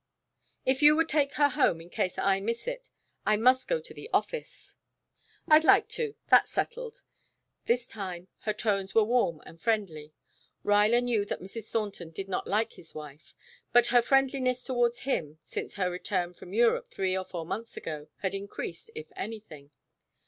"If you would take her home in case I miss it. I must go to the office " "I'd like to. That's settled." This time her tones were warm and friendly. Ruyler knew that Mrs. Thornton did not like his wife, but her friendliness toward him, since her return from Europe three or four months ago, had increased, if anything.